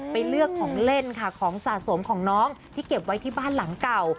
ไปเลือกของเล่นค่ะของสะสมของน้องที่เก็บไว้ที่บ้านหลังเก่า